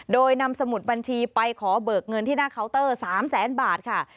โดยนำสมุดบัญชีไปขอเบิกเงินที่หน้าเคาน์เตอร์๓แสนบาทค่ะ